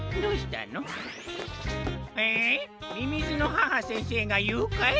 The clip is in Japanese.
えみみずの母先生がゆうかい！？